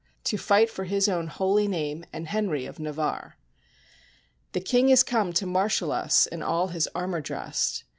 To fight for his own holy name, and Henry of Navarre. The king is come to marshal us, in all his armor drest.